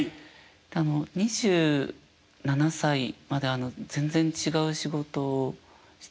２７歳まで全然違う仕事をしていまして。